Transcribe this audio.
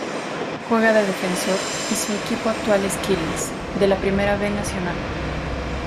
Juega de defensor, y su equipo actual es Quilmes, de la Primera B Nacional.